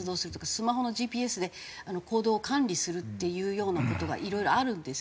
スマホのＧＰＳで行動を管理するっていうような事がいろいろあるんです。